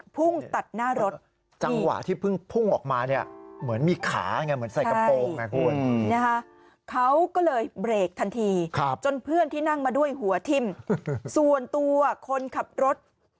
เพื่อนที่นั่งมาด้วยหัวทิ่มส่วนตัวคนขับรถ